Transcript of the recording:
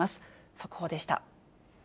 速報でした。